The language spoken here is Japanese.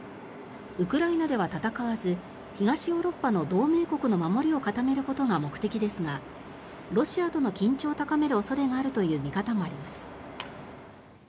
ウクライナでは戦わず東ヨーロッパの同盟国の守りを固めることが目的ですがロシアとの緊張を高める恐れがあるという見方もあります。